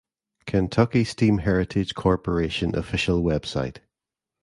Kentucky Steam Heritage Corporation official website